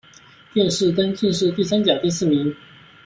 殿试登进士第三甲第四名。